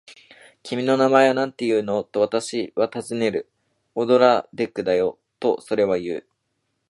「君の名前はなんていうの？」と、私たちはたずねる。「オドラデクだよ」と、それはいう。